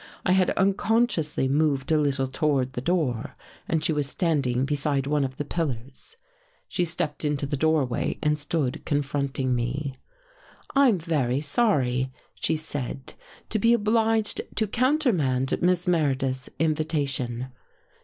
I had unconsciously moved a little toward the door and was standing beside one of the pillars. She stepped into the doorway and stood confronting me. "' I am very sorry/ she said, ' to be obliged to countermand Miss Meredith's invitation.